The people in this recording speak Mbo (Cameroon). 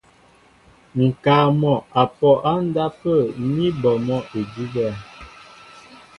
Ŋ̀kaa mɔ' a pɔ á ndápə̂ ní bɔ mɔ́ idʉ́bɛ̄.